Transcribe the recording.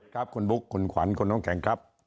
ครับคุณบุ๊คคุณขวัญคุณน้องแข็งครับ